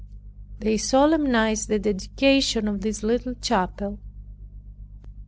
They solemnized the dedication of this little chapel.